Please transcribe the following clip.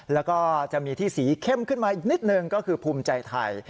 แล้วก็จะมีที่สีเข้มขึ้นมาอีกนิดนึงก็คือภูมิใจไทย